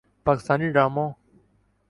پاکستانی ڈراموں